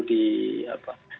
tidak perlu di